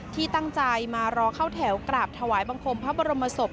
ที่ตั้งใจมารอเข้าแถวกราบถวายบังคมพระบรมศพ